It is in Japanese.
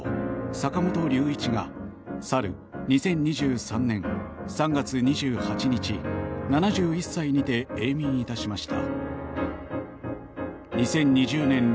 坂本龍一さんが去る２０２３年３月２８日７１歳にて永眠いたしました。